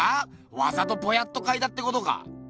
わざとぼやっと描いたってことか。